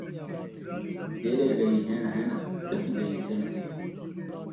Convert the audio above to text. جیݙے ڳئی ہِݨ ہِݨ ، اوݙان٘ہیں ڳئی چھِݨ چھِݨ